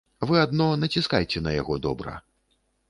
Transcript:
Вы адно націскайце на яго добра.